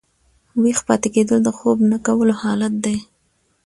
ویښ پاته کېدل د خوب نه کولو حالت دئ.